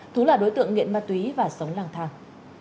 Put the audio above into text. thú là đối tượng nghiện ma túy và sống lang thang